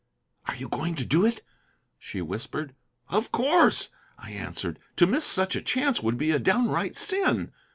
"Are you going to do it?" she whispered. "Of course," I answered. "To miss such a chance would be a downright sin."